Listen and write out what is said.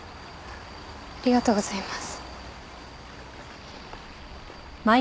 ありがとうございます。